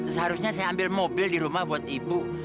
seharusnya saya ambil mobil di rumah buat ibu